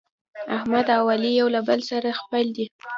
احمد او علي یو له بل سره خپل دي.